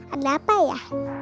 ada apa ya